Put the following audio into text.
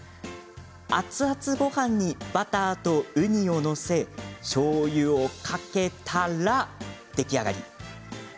熱々ごはんにバターとウニを載せしょうゆをかけたら出来上がり。